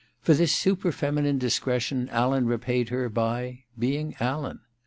For this super feminine discretion Alan repaid her by — being Alan.